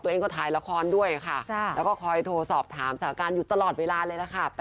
ตัวเองก็ถ่ายละครด้วยค่ะแล้วก็คอยโทรสอบถามสาการอยู่ตลอดเวลาเลยล่ะค่ะ